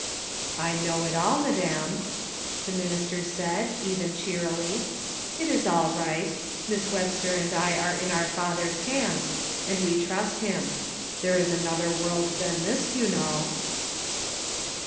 ''I know it all, madam," the minister said, even cheerily. ''It is all right; Miss Webster and I are in our Father's hands, and we trust CONFLICTING ADVICE. 207 him. There is another world than this, you know."